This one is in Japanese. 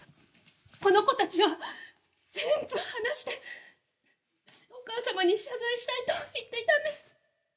この子たちは全部話してお母様に謝罪したいと言っていたんです！